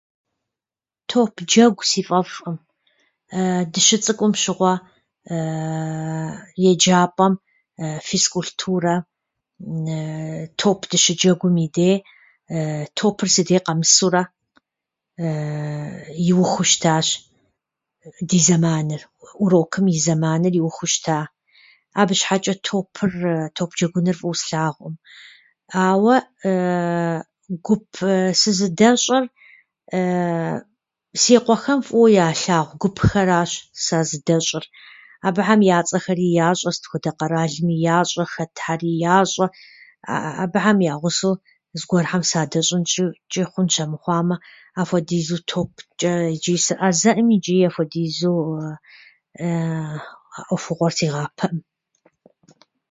Топ джэгу си фӏэфӏӏым. Дыщыцӏыкӏум щыгъуэ еджапӏэм физкултырэм топ дыщыджэгум и деи топыр си деи къэмысурэ иухыу щытащ ди зэманыр, урокым и зэманыр иухыу щыта. Абы щхьэчӏэ топыр- топ джэгуныр фӏыуэ слъагъуӏым, ауэ гуп сызыдэщӏыр си къуэхэм фӏыуэ ялъагъу гупхэращ сазыдэщӏыр. Абыхьэм я цӏэхэри ящӏэ, сыт хуэдэ къэралми ящӏэ, хэтхьэри ящӏэ. Абыхьэм я гъусэу зыгуэрхэм садэщӏынкӏэкӏи хъунщ. Армыхъуамэ, апхуэдизу топчӏэ ичӏи сыӏэзэӏым ичӏи ахуэдизу а ӏуэхугъуэр сигъапэӏым.